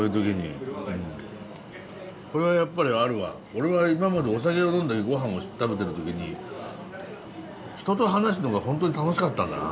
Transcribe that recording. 俺は今までお酒を呑んで御飯を食べてる時に人と話すのがホントに楽しかったんだな。